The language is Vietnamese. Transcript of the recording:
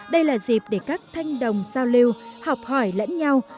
đây là dịp để các thanh đồng giao lưu học hỏi lẫn nhau